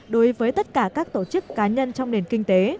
đối với tất cả các tổ chức cá nhân trong nền kinh tế